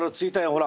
ほら